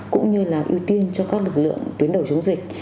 cũng như là ưu tiên cho các lực lượng tuyến đầu chống dịch